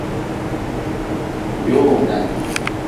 Jowda.